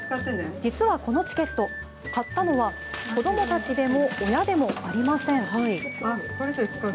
実は、このチケット買ったのは、子どもたちでも親でもありません。